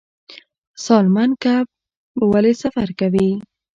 سالمن کب ولې سفر کوي؟